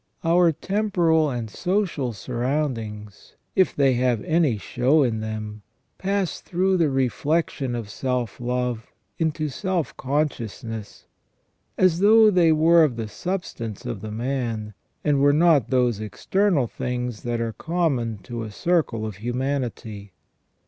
Our temporal and social sorroundings, if they have any show in them, pass through the reflection of self love into self conscious ness, as though they were of the substance of the man, and were not those external things that are common to a circle of humanity.